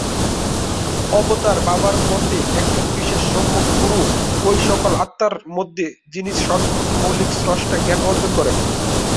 অবতার, বাবার মতে, একজন বিশেষ সম্যক গুরু, ঐ সকল আত্মার মধ্যে যিনি সর্বপ্রথম মৌলিক স্রষ্টা-জ্ঞান অর্জন করেন।